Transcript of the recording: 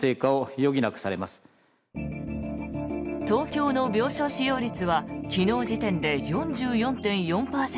東京の病床使用率は昨日時点で４４．４％。